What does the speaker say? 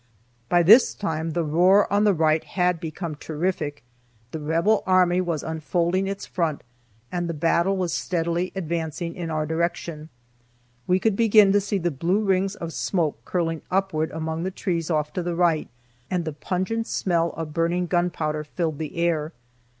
By this time the roar on the right had become terrific. The Rebel army was unfolding its front, and the battle was steadily advancing in our direction. We could begin to see the blue rings of smoke curling upward among the trees off to the right, and the pungent smell of burning gun powder filled the air.